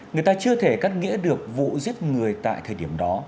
người ta chưa thể cắt nghĩa được vụ giết người tại thời điểm đó